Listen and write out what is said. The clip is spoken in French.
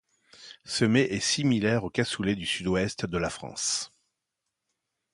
Ce mets est similaire au cassoulet du sud-ouest de la France.